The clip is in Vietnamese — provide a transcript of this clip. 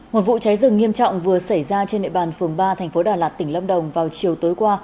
một vụ cháy rừng nghiêm trọng vừa xảy ra trên địa bàn phường ba thành phố đà lạt tỉnh lâm đồng vào chiều tối qua